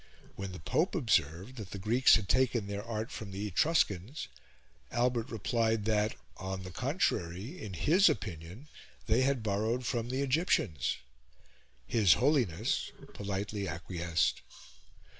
When the Pope observed that the Greeks had taken their art from the Etruscans, Albert replied that, on the contrary, in his opinion, they had borrowed from the Egyptians: his Holiness politely acquiesced.